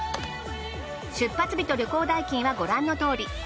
出発日と旅行代金はご覧のとおり。